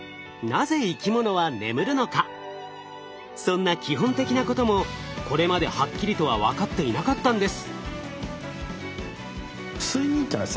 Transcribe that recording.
そんな基本的なこともこれまではっきりとは分かっていなかったんです。